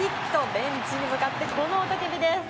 ベンチに向かってこの雄たけびです。